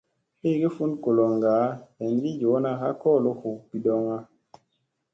Igi fun goloŋga heengi yoona ha kolo hu bidoŋga.